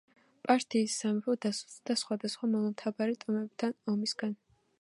პართიის სამეფო დასუსტდა სხვადასხვა მომთაბარე ტომებთან ომისაგან.